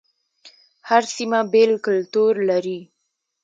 هر سيمه بیل کلتور لري